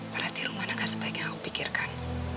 berarti romana tidak sebaik yang aku pikirkan